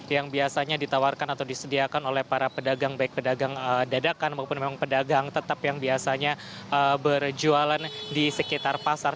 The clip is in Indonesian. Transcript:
yang biasanya ditawarkan atau disediakan oleh para pedagang baik pedagang dadakan maupun memang pedagang tetap yang biasanya berjualan di sekitar pasar